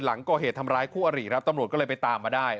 หลังก่อเหตุทำร้ายคู่อริครับตำรวจก็เลยไปตามมาได้